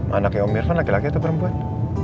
anaknya pak irfan laki laki atau perempuan